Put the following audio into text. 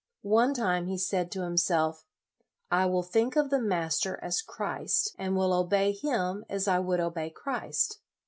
One time, he said to himself, " I will think of the master as Christ, and will obey him as I would obey Christ."